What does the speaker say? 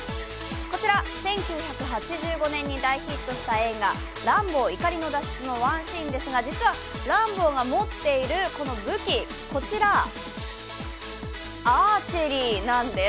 こちら、１９８５年に大ヒットした映画「ランボー怒りの脱出」のワンシーンですが実は、ランボーが持っている武器こちら、アーチェリーなんです。